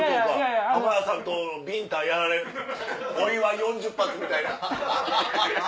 浜田さんとビンタやられるお祝い４０発みたいな。